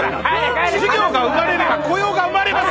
事業が生まれれば雇用が生まれます